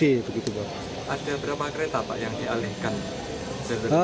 ada berapa kereta pak yang dialihkan